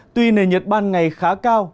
tuy nền nhiệt ban ngày khá cao